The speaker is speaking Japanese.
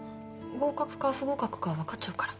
合格か不合格か分かっちゃうから？